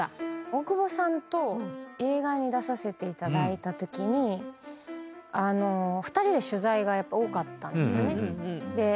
大久保さんと映画に出させていただいたときに２人で取材がやっぱ多かったんですよね。